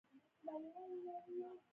ریښه د ونې په تنې پورې نښتې وه.